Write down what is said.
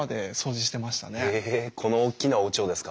えこの大きなおうちをですか。